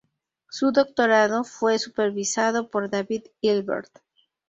Su doctorado fue supervisado por David Hilbert.